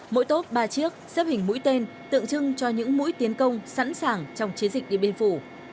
mỗi tốp ba chiếc xếp hình mũi tên tượng trưng cho những mũi tiến công sẵn sàng trong chiến dịch điện biên phủ